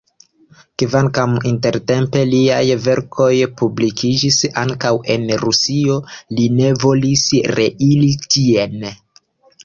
Kvankam intertempe liaj verkoj publikiĝis ankaŭ en Rusio, li ne volis reiri tien.